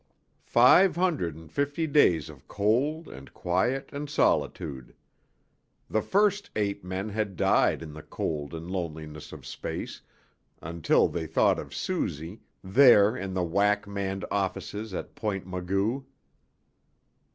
Five hundred and fifty days of cold and quiet and solitude. The first eight men had died in the cold and loneliness of space, until they thought of Suzy, there in the WAC manned offices at Point Magu.